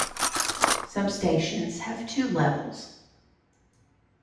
Some stations have two levels.